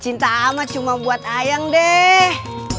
cinta amat cuma buat ayam deh